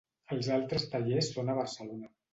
Els altres tallers són a Barcelona.